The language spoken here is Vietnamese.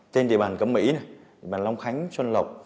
tên địa bàn cẩm mỹ địa bàn long khánh xuân lộc